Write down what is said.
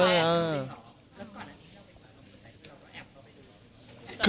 อ๋ออย่างนี้